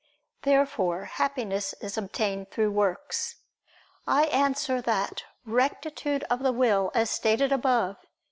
Therefore Happiness is obtained through works. I answer that, Rectitude of the will, as stated above (Q.